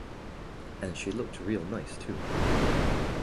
And she looked real nice too.